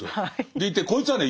でいてこいつはね